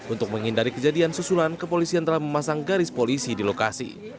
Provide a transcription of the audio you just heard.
untuk menghindari kejadian susulan kepolisian telah memasang garis polisi di lokasi